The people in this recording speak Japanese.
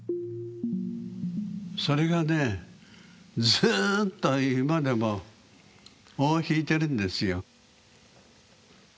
それがねずっと今でも尾を引いてるんですよ。